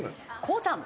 こうちゃん。